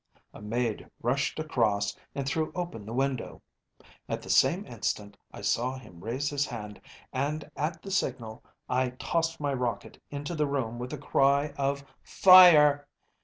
A maid rushed across and threw open the window. At the same instant I saw him raise his hand and at the signal I tossed my rocket into the room with a cry of “Fire!